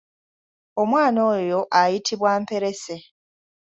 Omwana oyo ayitibwa Mperese.